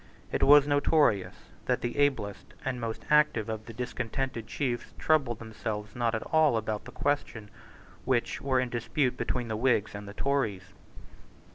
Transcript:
It was notorious that the ablest and most active of the discontented chiefs troubled themselves not at all about the questions which were in dispute between the Whigs and the Tories.